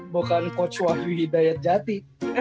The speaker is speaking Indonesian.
bukan coach wahyu hidayat jati